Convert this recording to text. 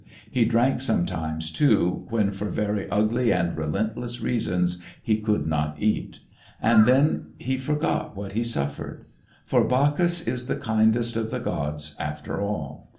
He drank sometimes too, when for very ugly and relentless reasons he could not eat. And then he forgot what he suffered. For Bacchus is the kindest of the gods after all.